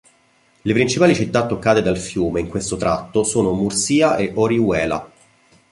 Le principali città toccate dal fiume, in questo tratto sono Murcia e Orihuela.